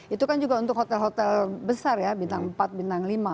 itu kan juga untuk hotel hotel besar ya bintang empat bintang lima